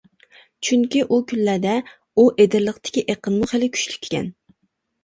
چۈنكى ئۇ كۈنلەردە ئۇ ئېدىرلىقتىكى ئېقىنمۇ خېلى كۈچلۈك ئىكەن.